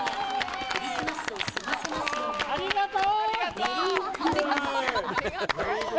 ありがとう！